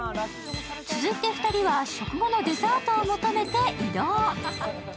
続いて２人は食後のデザートを求めて移動。